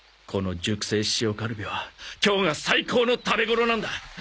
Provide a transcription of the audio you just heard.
この熟成塩カルビは今日が最高の食べ頃なんだ！